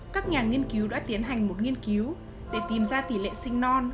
các nhà nghiên cứu đã tiến hành một nghiên cứu để tìm ra tỷ lệ sinh non